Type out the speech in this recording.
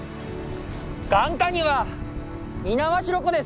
眼下には猪苗代湖です。